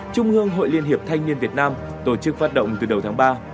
trung ương hội liên hiệp thanh niên việt nam tổ chức phát động từ đầu tháng ba